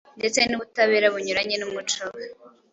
ndetse n’ubutabera bunyuranye n’umuco we,